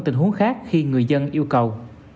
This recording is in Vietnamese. tình huống khác khi người dân yêu cầu